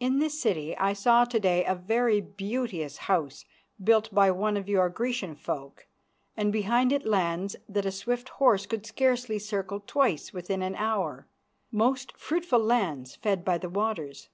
In this city I saw to day a very beauteous house built by one of your Grecian folk, and behind it lands that a swift horse could scarcely circle twice within an hour, most fruitful lands fed by the waters.